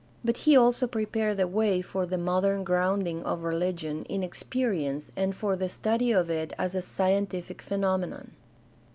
But he also prepared the way for the modern grounding of religion in experience and for the study of it as a scientific phenomenon.